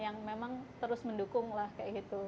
yang memang terus mendukung lah kayak gitu